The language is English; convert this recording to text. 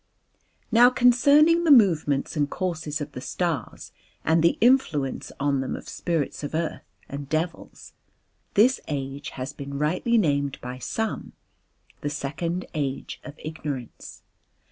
Now concerning the movements and courses of the stars and the influence on them of spirits of Earth and devils this age has been rightly named by some The Second Age of Ignorance.